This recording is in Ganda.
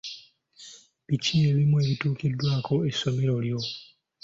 Biki ebimu ebituukiddwako essomero lyo?